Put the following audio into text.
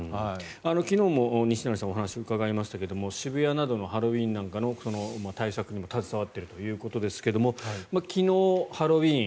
昨日も西成さんにお話を伺いましたけれども渋谷などのハロウィーンなんかの対策にも携わっているということですが昨日、ハロウィーン